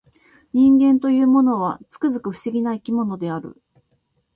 人間というものは、つくづく不思議な生き物である